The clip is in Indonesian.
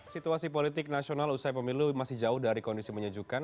situasi politik nasional usai pemilu masih jauh dari kondisi menyejukkan